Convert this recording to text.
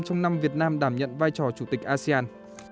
trong năm việt nam đảm nhận vai trò chủ tịch asean